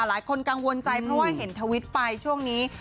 หลายคนกังวลใจเพราะว่าเห็นทวิตไปช่วงนี้